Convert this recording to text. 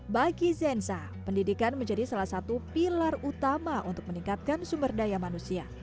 bagi zenza pendidikan menjadi salah satu pilar utama untuk meningkatkan sumber daya manusia